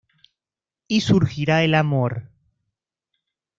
Y surgirá el amor.